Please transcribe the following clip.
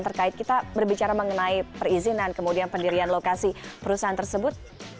terkait kita berbicara mengenai perizinan kemudian pendirian lokasi perusahaan tersebut